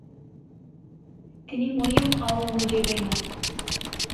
তিনি মরিয়ম আওরঙ্গজেবের মা।